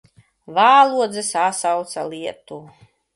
Vālodze sasauca lietu.